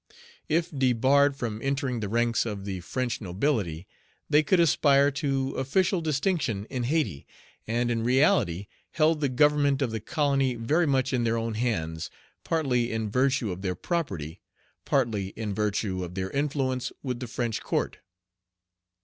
If debarred from entering the ranks of the French nobility, they could aspire to official distinction in Hayti, and in reality held the government of the colony very much in their own hands, partly in virtue of their property, partly in virtue of their influence with the French court.